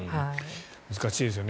難しいですよね。